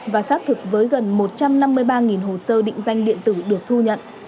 và xác thực với gần một trăm năm mươi ba hồ sơ định danh điện tử được thu nhận